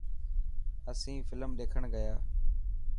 اسين فلم ڏيکڻ گيا.